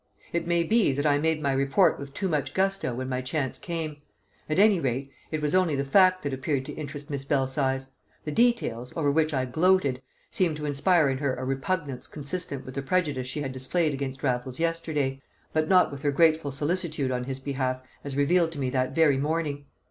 It may be that I made my report with too much gusto when my chance came; at any rate, it was only the fact that appeared to interest Miss Belsize; the details, over which I gloated, seemed to inspire in her a repugnance consistent with the prejudice she had displayed against Raffles yesterday, but not with her grateful solicitude on his behalf as revealed to me that very morning.